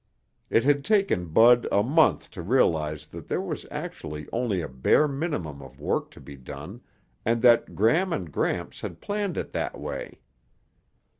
It had taken Bud a month to realize that there was actually only a bare minimum of work to be done and that Gram and Gramps had planned it that way.